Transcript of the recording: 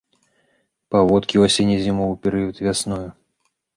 Паводкі ў асенне-зімовы перыяд і вясною.